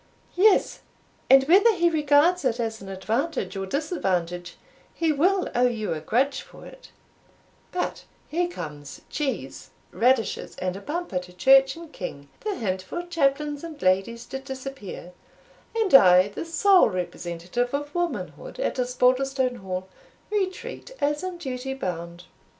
"Yes; and whether he regards it as an advantage or disadvantage, he will owe you a grudge for it But here comes cheese, radishes, and a bumper to church and king, the hint for chaplains and ladies to disappear; and I, the sole representative of womanhood at Osbaldistone Hall, retreat, as in duty bound."